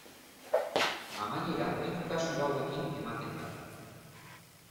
Amaiera hiru kasu hauekin ematen da.